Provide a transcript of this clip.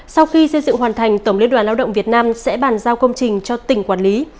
sau khi xây dựng hoàn thành tổng liên đoàn lao động việt nam sẽ bàn giao công trình cho tỉnh quản lý